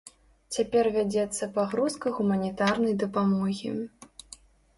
Цяпер вядзецца пагрузка гуманітарнай дапамогі.